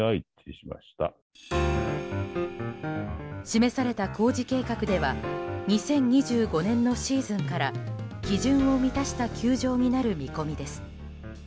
示された工事計画では２０２５年のシーズンから基準を満たした球場になる見込みです。